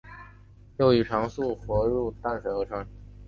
幼鱼常溯河入淡水河川。